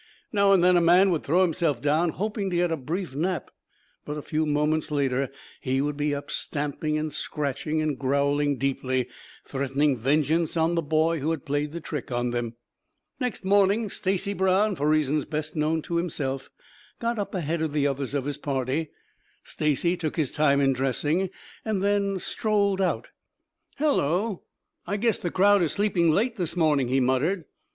Now and then a man would throw himself down hoping to get a brief nap, but a few moments later he would be up stamping and scratching and growling deeply, threatening vengeance on the boy who had played the trick on them. Next morning, Stacy Brown, for reasons best known to himself, got up ahead of the others of his party. Stacy took his time in dressing, then strolled out. "Hullo, I guess the crowd is sleeping late this morning," he muttered.